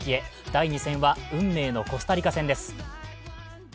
第２戦は運命のコスタリカ戦です。